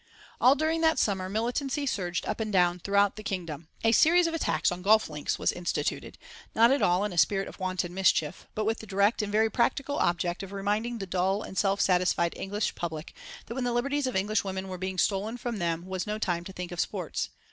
All during that summer militancy surged up and down throughout the Kingdom. A series of attacks on golf links was instituted, not at all in a spirit of wanton mischief, but with the direct and very practical object of reminding the dull and self satisfied English public that when the liberties of English women were being stolen from them was no time to think of sports.